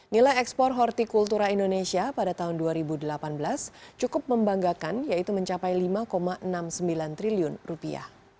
nilai ekspor hortikultura indonesia pada tahun dua ribu delapan belas cukup membanggakan yaitu mencapai lima enam puluh sembilan triliun rupiah